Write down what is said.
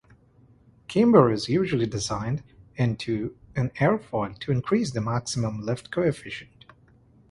Camber is usually designed into an aerofoil to increase the maximum lift coefficient.